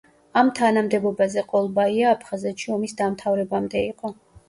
ამ თანამდებობაზე ყოლბაია აფხაზეთში ომის დამთავრებამდე იყო.